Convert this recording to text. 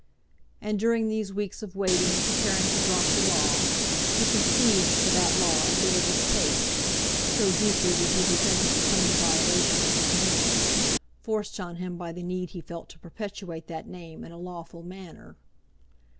And during these weeks of waiting and preparing to drop the Law, he conceived for that Law a bitter distaste, so deeply did he resent its coming violation of his name, forced on him by the need he felt to perpetuate that name in a lawful manner.